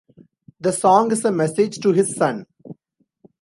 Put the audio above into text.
The song is a message to his son.